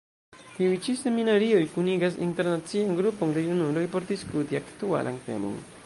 Tiuj ĉi seminarioj kunigas internacian grupon de junuloj por diskuti aktualan temon.